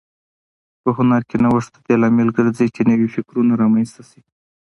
په هنر کې نوښت د دې لامل ګرځي چې نوي فکرونه رامنځته شي.